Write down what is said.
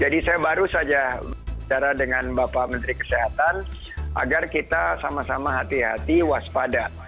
jadi saya baru saja bicara dengan bapak menteri kesehatan agar kita sama sama hati hati waspada